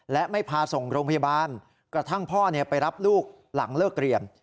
และไม่พาส่งโรงพยาบาลกระทั่งพ่อไปรับลูกหลังเลิกเรียน